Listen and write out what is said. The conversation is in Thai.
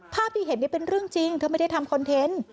ภาพที่เห็นเป็นเรื่องจริงเธอไม่ได้ทำคอนเทนต์